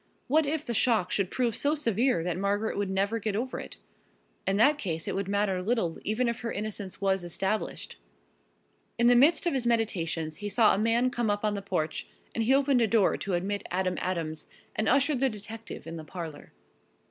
What if the shock should prove so severe that Margaret would never get over it? In that case it would matter little even if her innocence was established. In the midst of his meditations he saw a man come up on the porch and he opened the door to admit Adam Adams and ushered the detective in the parlor.